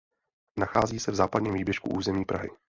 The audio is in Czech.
Nachází se v západním výběžku území Prahy.